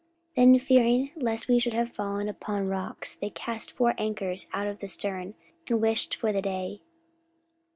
44:027:029 Then fearing lest we should have fallen upon rocks, they cast four anchors out of the stern, and wished for the day.